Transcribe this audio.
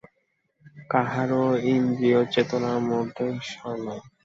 কাহারও ইন্দ্রিয়-চেতনার মধ্যে ঈশ্বর নাই।